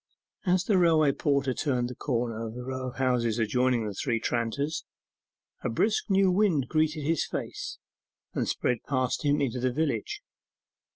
As the railway porter turned the corner of the row of houses adjoining the Three Tranters, a brisk new wind greeted his face, and spread past him into the village.